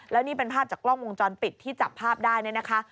แล้วนี่เป็นภาพจากกล้องวงจรปิดที่จับภาพได้เนี่ยนะคะ